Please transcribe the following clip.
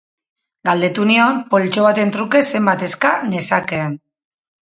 Galdetu nion poltso baten truke zenbat eska nezakeen.